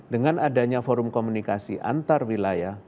dengan adanya forum komunikasi antarwilayah